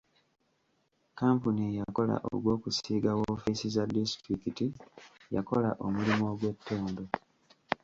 Kampuni eyakola ogw'okusiiga woofiisi za disitulikiti yakola omulimu ogw'ettendo.